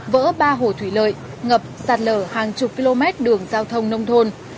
vỡ ba hồ thủy lợi ngập sạt lở hàng chục km đường giao thông nông thôn